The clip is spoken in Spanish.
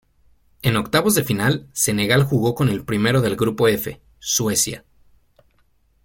En octavos de final, Senegal jugó con el primero del grupo F, Suecia.